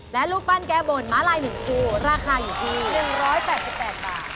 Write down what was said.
และรูปปั้นแก้บนม้าลาย๑คู่ราคาอยู่ที่๑๘๘บาท